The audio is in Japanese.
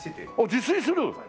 自炊する！？